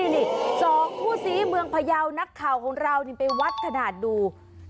นี่สองคู่ซีเมืองพยาวนักข่าวของเรานี่ไปวัดขนาดดู